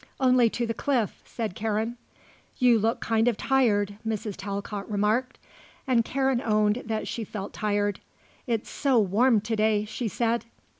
"Only to the cliff," said Karen. "You look kind of tired," Mrs. Talcott remarked, and Karen owned that she felt tired. "It's so warm to day," she said.